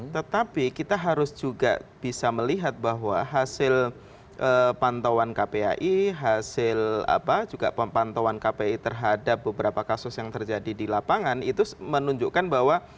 tetapi kita harus juga bisa melihat bahwa hasil pantauan kpai hasil juga pemantauan kpi terhadap beberapa kasus yang terjadi di lapangan itu menunjukkan bahwa